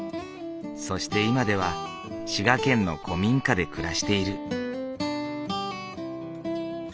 そして今では滋賀県の古民家で暮らしている。